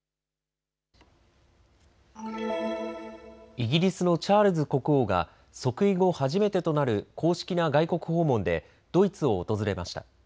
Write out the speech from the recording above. イギリスのチャールズ国王が即位後、初めてとなる公式な外国訪問でドイツを訪れました。